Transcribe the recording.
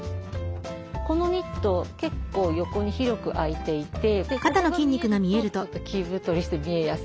このニット結構横に広く開いていてここが見えるとちょっと着太りして見えやすい。